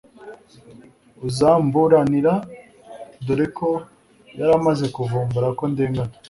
uzamburanira doreko yaramaze kuvumbura ko ndengana